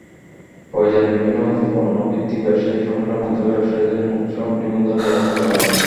প্রয়োজনে বিভিন্ন পণ্যভিত্তিক ব্যবসায়ী সংগঠনের মাধ্যমে ব্যবসায়ীদের মূসক নিবন্ধনের ব্যবস্থা করা হবে।